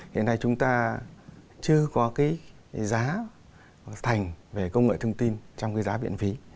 hiện nay chúng ta chưa có giá thành về công nghệ thông tin trong giá biện phí